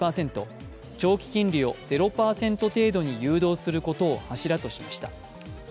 長期金利を０％程度に誘導することを柱としました。